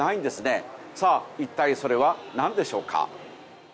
さあ一体それはなんでしょうか？